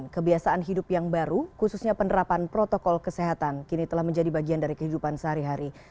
kebiasaan hidup yang baru khususnya penerapan protokol kesehatan kini telah menjadi bagian dari kehidupan sehari hari